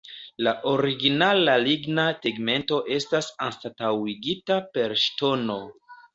La originala ligna tegmento estas anstataŭigita per ŝtono.